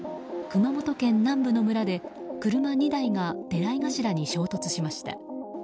熊本県南部の村で車２台が出合い頭に衝突しました。